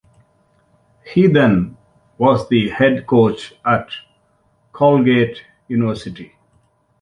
He Then was the head coach at Colgate University.